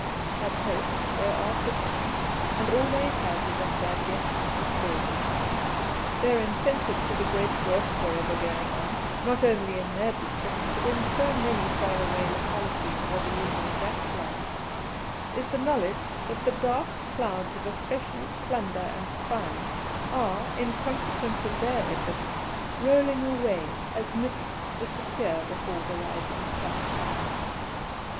As hosts they are perfection, and all they have is at their guests' disposal. Their incentive to the great work for ever going on, not only in their district, but in so many far away localities where the Union Jack flies, is the knowledge that the dark clouds of oppression, plunder, and crime, are, in consequence of their efforts, rolling away as mists disappear before the rising sun.